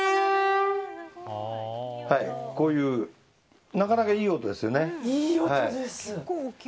こういうなかなかいい音ですよね。